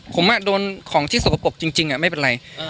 ผมโดนของที่สกปรกจริงไม่เป็นไร